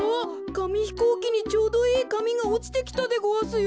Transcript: かみひこうきにちょうどいいかみがおちてきたでごわすよ。